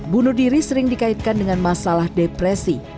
bunuh diri sering dikaitkan dengan masalah depresi